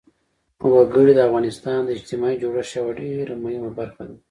وګړي د افغانستان د اجتماعي جوړښت یوه ډېره مهمه برخه ده.